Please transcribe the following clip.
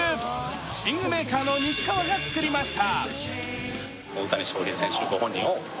寝具メーカーの西川が作りました。